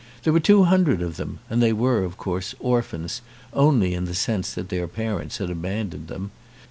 There were two hun dred of them and they were, of course, orphans only in the sense that their parents had abandoned them.